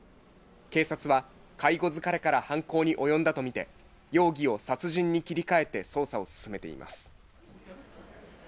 警察は介護疲れから犯行に及んだと見て、容疑を殺人に切り替えて捜査を進めています。